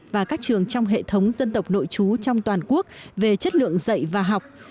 và các trường trong hệ thống dân tộc nội chú trong toàn quốc về chất lượng dạy và học